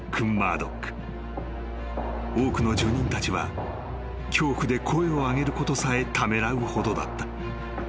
［多くの住人たちは恐怖で声を上げることさえためらうほどだった］